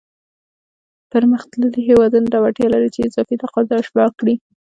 پرمختللی هېوادونه دا وړتیا لري چې اضافي تقاضا اشباع کړي.